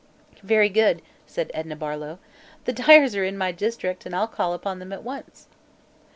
"Very good," said Edna Barlow; "the Dyers are in my district and I'll call upon them at once."